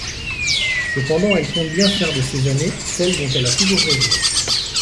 Cependant, elle compte bien faire de ces années celles dont elle a toujours rêvé.